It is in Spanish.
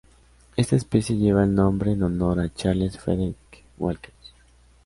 Esta especie lleva el nombre en honor a Charles Frederic Walker.